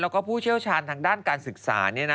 แล้วก็ผู้เชี่ยวชาญทางด้านการศึกษา